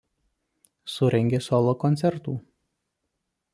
Surengė solo koncertų.